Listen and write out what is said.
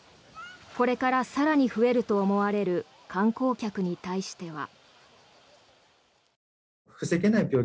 これから更に増えると思われる観光客に対しては。